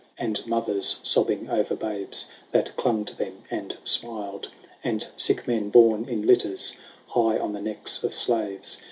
And mothers sobbing over babes That clung to them and smiled. And sick men borne in litters High on the necks of slaves.